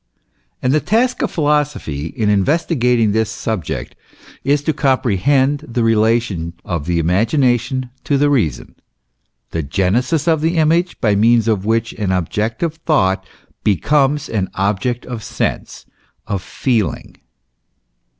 And the task of philosophy, in investigating this subject, is to comprehend the relation of the imagination to the reason, the genesis of the image by means of which an object of thought becomes an object of sense, of feeling.